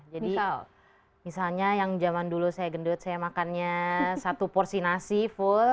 jadi misalnya yang zaman dulu saya gendut saya makannya satu porsi nasi full